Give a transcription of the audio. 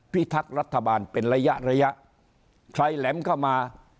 ทักษ์รัฐบาลเป็นระยะระยะใครแหลมเข้ามา